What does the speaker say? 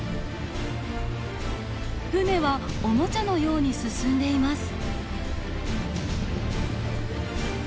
船はおもちゃのように進んでいます。